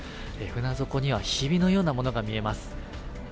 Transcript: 船底にはひびのようなものが見えます。